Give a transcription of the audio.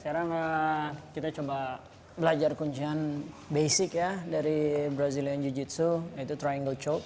sekarang kita coba belajar kuncian basic ya dari brazilian jiu jitsu yaitu triangle chop